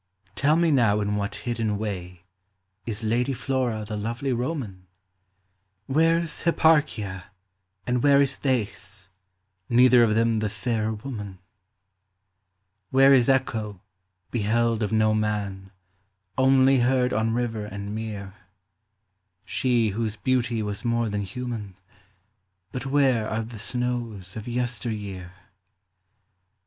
Tell me now in what hidden way is Lady Flora the lovely Roman ? Where 's Hipparchia, and where is Thais, Neither of them the fairer woman ? TIME. 193 Where is Echo, beheld of no man, Only heard on river and mere, — She whose beauty was more than human ? But where are the snows of yester year